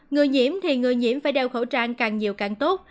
người nhiễm thì người nhiễm phải đeo khẩu trang càng nhiều càng tốt